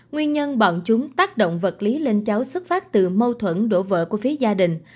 nguyên nhân bọn chúng tác động vật lý lên cháu xuất phát từ mâu thuẫn đổ vợ của phía gia đình